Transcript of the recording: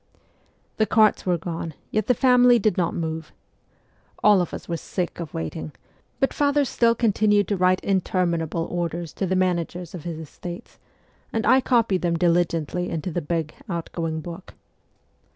The carts were gone, yet the family did not move. All of us were* sick of waiting ; but father still con tinued to write interminable orders to the managers of his estates, and I copied them diligently into the big ' outgoing book.'